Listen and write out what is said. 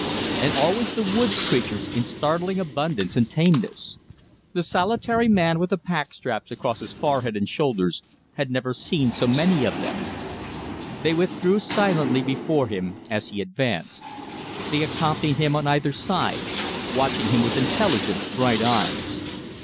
And always the woods creatures, in startling abundance and tameness. The solitary man with the packstraps across his forehead and shoulders had never seen so many of them. They withdrew silently before him as he advanced. They accompanied him on either side, watching him with intelligent, bright eyes.